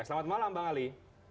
selamat malam bang ali